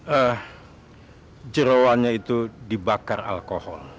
eh jerawannya itu dibakar alkohol